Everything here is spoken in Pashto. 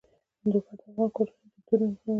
لوگر د افغان کورنیو د دودونو مهم عنصر دی.